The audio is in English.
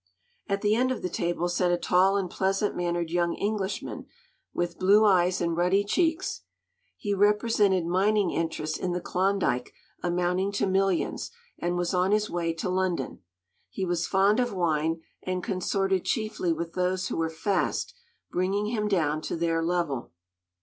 At the end of the table sat a tall and pleasant mannered young Englishman, with blue eyes and ruddy cheeks. He represented mining interests in the Klondyke amounting to millions, and was on his way to London. He was fond of wine, and consorted chiefly with those who were fast bringing him down to their level.